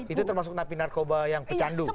itu termasuk napi narkoba yang pecandu